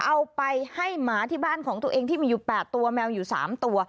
เอาไปให้หมาที่บ้านของตัวเองที่มีอยู่๘ตัวแมวอยู่๓ตัว